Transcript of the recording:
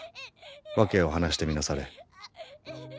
訳を話してみなされ。